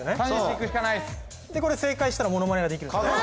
３１いくしかないですでこれ正解したらモノマネができるんですよね